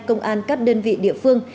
công an các đơn vị địa phương